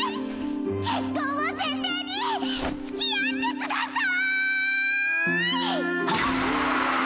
結婚を前提につきあってください！！